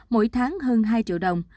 mỗi tháng hơn hai triệu đồng